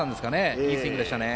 いいスイングでしたね。